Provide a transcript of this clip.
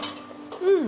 うん。